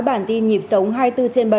bản tin nhịp sống hai mươi bốn trên bảy